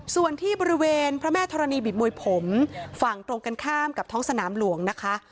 ส่วนที่บริเวณพระแม่ธรณีบิดมวยผมฝั่งตรงกันข้ามกับท้องสนามหลวงนะคะ